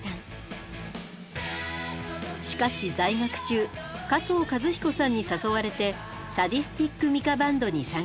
しかし在学中加藤和彦さんに誘われてサディスティック・ミカ・バンドに参加。